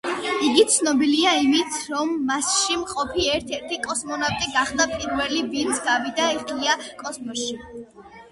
იგი ცნობილია იმით, რომ მასში მყოფი ერთ-ერთი კოსმონავტი გახდა პირველი, ვინც გავიდა ღია კოსმოსში.